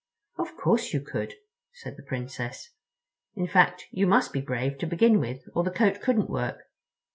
"Of course you could," said the Princess. "In fact, you must be brave to begin with, or the coat couldn't work.